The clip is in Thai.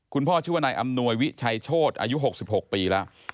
ชื่อว่านายอำนวยวิชัยโชธอายุ๖๖ปีแล้ว